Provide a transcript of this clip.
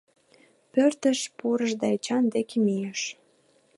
Пӧртыш пурыш да Эчан деке мийыш.